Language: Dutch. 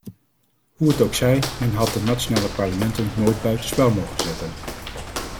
Hoe het ook zij, men had de nationale parlementen nooit buitenspel mogen zetten.